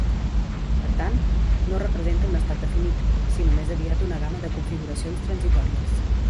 Per tant, no representa un estat definit, sinó més aviat una gamma de configuracions transitòries.